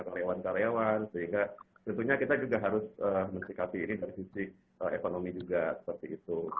karyawan karyawan sehingga tentunya kita juga harus mensikapi ini dari sisi ekonomi juga seperti itu